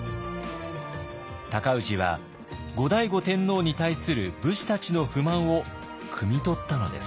尊氏は後醍醐天皇に対する武士たちの不満をくみとったのです。